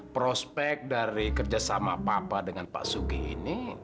prospek dari kerjasama papa dengan pak sugi ini